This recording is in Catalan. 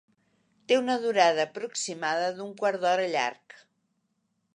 Té una durada aproximada d'un quart d'hora llarg.